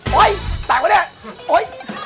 มันตาของเนีย